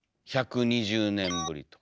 １２０年ぶりと。